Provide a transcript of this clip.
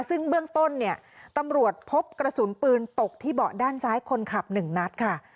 ซึ่งเบื้องต้นเนี่ยตำรวจพบกระสุนปืนตกที่เบาะด้านซ้ายคนขับหนึ่งนัดค่ะ